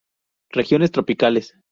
Regiones tropicales.